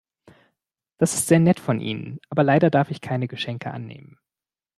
Das ist sehr nett von Ihnen, aber leider darf ich keine Geschenke annehmen.